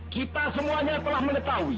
kita semuanya telah mengetahui bahwa hari ini